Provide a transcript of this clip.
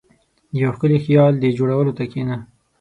• د یو ښکلي خیال د جوړولو ته کښېنه.